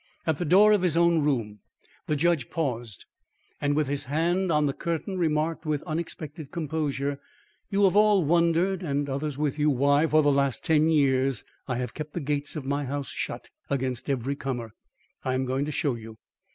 At the door of his own room, the judge paused, and with his hand on the curtain, remarked with unexpected composure: "You have all wondered, and others with you why for the last ten years I have kept the gates of my house shut against every comer. I am going to show you."